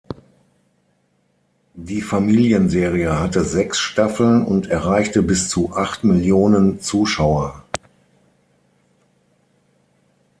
Die Familienserie hatte sechs Staffeln und erreichte bis zu acht Millionen Zuschauer.